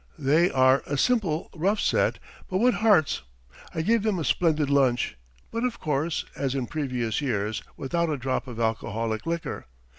They are a simple, rough set, but what hearts! I gave them a splendid lunch, but of course, as in previous years, without a drop of alcoholic liquor.